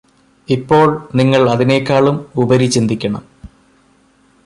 ഇപ്പോൾ നിങ്ങള് അതിനേക്കാളും ഉപരി ചിന്തിക്കണം